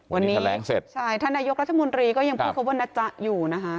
วันนี้แถลงเสร็จใช่ท่านนายกรัฐมนตรีก็ยังพูดคำว่านะจ๊ะอยู่นะคะ